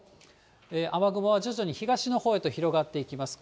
雨雲は徐々に東のほうへと広がっていきます。